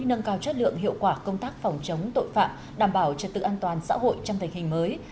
nâng cao chất lượng hiệu quả công tác phòng chống tội phạm đảm bảo trật tự an toàn xã hội trong tình hình mới